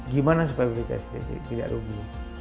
gimana supaya bpjs tidak rugi